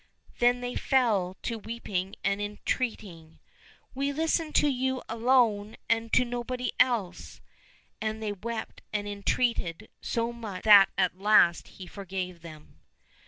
" Then they fell to weeping and entreating, '' We'll listen to you alone and to nobody else !" and they wept and entreated so much that at last he forgave them.